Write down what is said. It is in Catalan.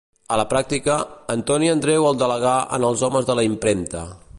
A la pràctica, Antoni Andreu el delegà en els homes de la impremta.